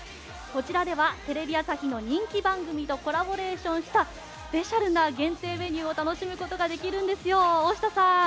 こちらではテレビ朝日の人気番組とコラボレーションしたスペシャルな限定メニューを楽しむことができるんですよ大下さん。